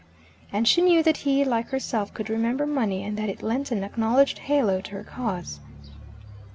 And she knew that he, like herself, could remember money, and that it lent an acknowledged halo to her cause.